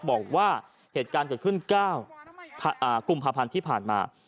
บอกว่าเหตุการณ์เกิดขึ้น๙กุมภาพันธ์ที่ผ่านมา